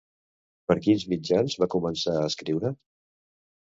Per a quins mitjans va començar a escriure?